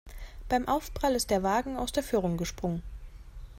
Beim Aufprall ist der Wagen aus der Führung gesprungen.